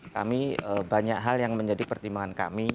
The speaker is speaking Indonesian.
kami banyak hal yang menjadi pertimbangan kami